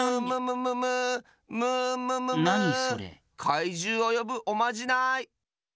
かいじゅうをよぶおまじない！